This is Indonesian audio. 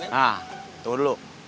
nah tuh lu